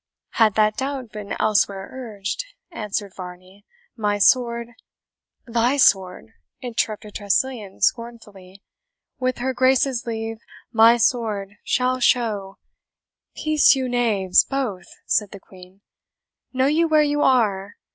"Had that doubt been elsewhere urged," answered Varney, "my sword " "THY sword!" interrupted Tressilian scornfully; "with her Grace's leave, my sword shall show " "Peace, you knaves, both!" said the Queen; "know you where you are?